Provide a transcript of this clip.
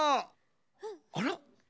あら？